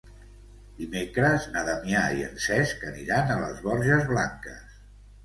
Dimecres na Damià i en Cesc aniran a les Borges Blanques.